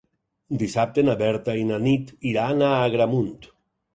Dissabte na Berta i na Nit iran a Agramunt.